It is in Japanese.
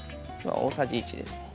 大さじ１ですね。